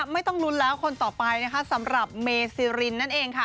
ไม่ต้องลุ้นแล้วคนต่อไปนะคะสำหรับเมซิรินนั่นเองค่ะ